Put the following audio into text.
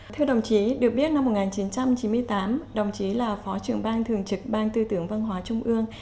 thưa đồng chí được biết năm một nghìn chín trăm chín mươi tám đồng chí là phó trưởng ban thường trực ban tư tưởng văn hóa trung ương